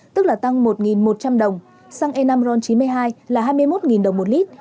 tức là tăng một một trăm linh đồng xăng e năm ron chín mươi hai là hai mươi một đồng một lít